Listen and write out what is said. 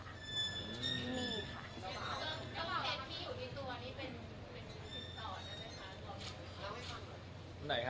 พี่มีค่ะ